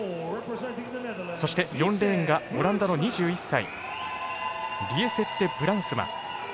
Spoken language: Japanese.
そして、４レーンがオランダの２１歳リエセッテ・ブランスマ。